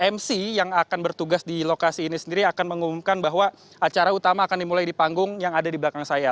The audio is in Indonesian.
mc yang akan bertugas di lokasi ini sendiri akan mengumumkan bahwa acara utama akan dimulai di panggung yang ada di belakang saya